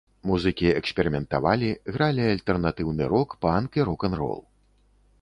Музыкі эксперыментавалі, гралі альтэрнатыўны рок, панк і рок-н-рол.